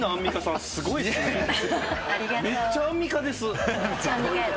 めっちゃアンミカやろ？